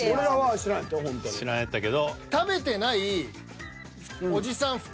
知らんやったけど。